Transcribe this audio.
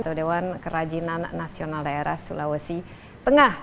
atau dewan kerajinan nasional daerah sulawesi tengah